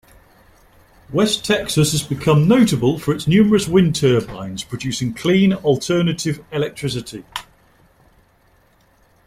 West Texas has become notable for its numerous wind turbines producing clean, alternative electricity.